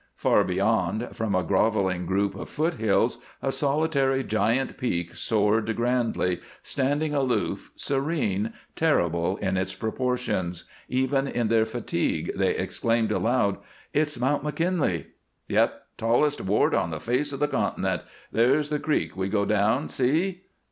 Far beyond, from a groveling group of foot hills, a solitary, giant peak soared grandly, standing aloof, serene, terrible in its proportions. Even in their fatigue they exclaimed aloud: "It's Mount McKinley!" "Yep! Tallest wart on the face of the continent. There's the creek we go down see!"